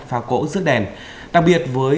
pha cổ rước đèn đặc biệt với